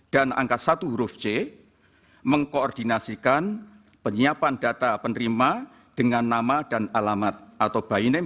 dan angka satu huruf c mengkoordinasikan penyiapan data penerima dengan nama dan alamat atau by name